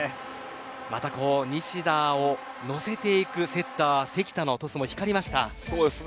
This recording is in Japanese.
また、西田を乗せていくセッター関田のトスもそうですね。